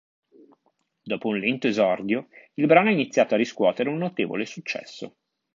Dopo un lento esordio il brano ha iniziato a riscuotere un notevole successo.